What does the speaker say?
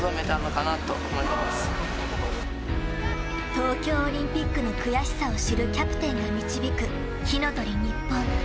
東京オリンピックの悔しさを知るキャプテンが導く火の鳥ＮＩＰＰＯＮ。